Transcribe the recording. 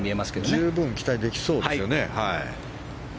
十分期待できそうですよね。